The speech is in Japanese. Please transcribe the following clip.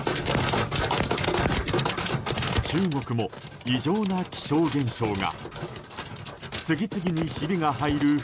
中国も異常な気象現象が。